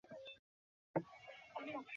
ফরাসি মহিলার জন্য সব করতে প্রস্তুত।